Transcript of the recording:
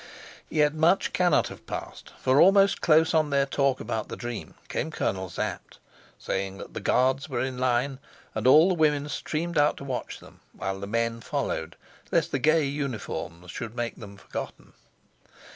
Yet much cannot have passed, for almost close on their talk about the dream came Colonel Sapt, saying that the guards were in line, and all the women streamed out to watch them, while the men followed, lest the gay uniforms should make them forgotten.